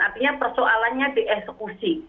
artinya persoalannya dieksekusi